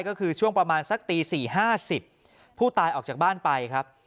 ก็คือช่วงประมาณสักตี๔๕๐ผู้ตายออกจากบ้านไปครับ